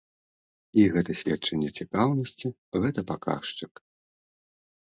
І гэта сведчанне цікаўнасці, гэта паказчык.